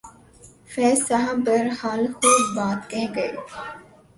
فیض صاحب بہرحال خوب بات کہہ گئے۔